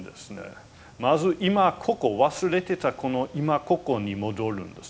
まず今ここ忘れてたこの今ここに戻るんですね。